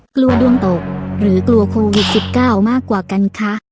กลัวดวงตกหรือกลัวโควิด๑๙มากกว่ากันคะ